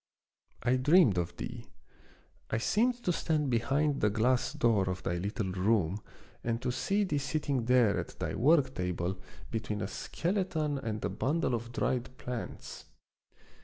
I dreamed of thee. I seemed to stand behind the glass door of thy little room and to see thee sitting there at thy work table between a skeleton and a bundle of dried plants.